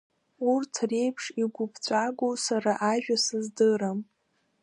Урҭ реиԥш игәыԥҵәагоу сара ажәа сыздырам…